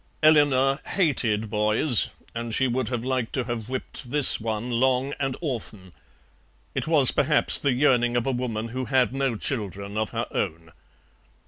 Eleanor hated boys, and she would have liked to have whipped this one long and often. It was perhaps the yearning of a woman who had no children of her own.